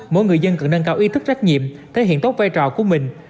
mỗi người dân cần nâng cao ý thức trách nhiệm thể hiện tốt vai trò của mình